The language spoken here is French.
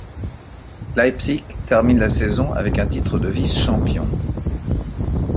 Leipzig termine la saison avec un titre de vice-champion.